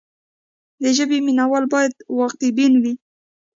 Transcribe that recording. د ژبې مینه وال باید واقع بین وي.